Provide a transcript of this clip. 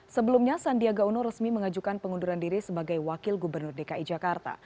sebelumnya sandiaga uno resmi mengajukan pengunduran diri sebagai wakil gubernur dki jakarta